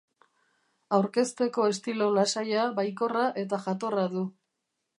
Aurkezteko estilo lasaia, baikorra eta jatorra du.